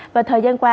và thời gian qua